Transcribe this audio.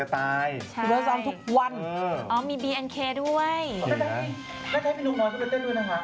อันนี้ไงครับเพ้าวิธีนจะสูงความคิดมากนี่คือแต้ว